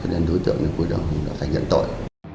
nên đối tượng cuối đầu đã phải nhận tội